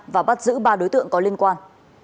và bắt giữ ba đối tượng có liên quan